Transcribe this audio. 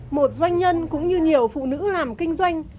một doanh nhân cũng như nhiều phụ nữ làm kinh doanh